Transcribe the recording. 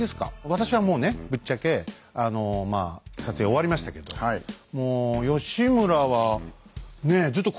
私はもうねぶっちゃけ撮影終わりましたけどもう義村はねずっと耕史君ずっといるもんね。